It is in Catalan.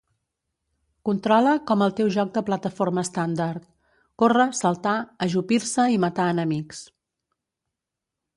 Controla com el teu joc de plataforma estàndard: córrer, saltar, ajupir-se i matar enemics.